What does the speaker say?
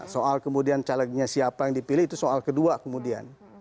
soal kemudian calegnya siapa yang dipilih itu soal kedua kemudian